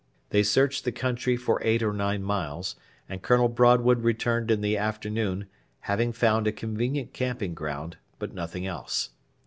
They searched the country for eight or nine miles, and Colonel Broadwood returned in the afternoon, having found a convenient camping ground, but nothing else.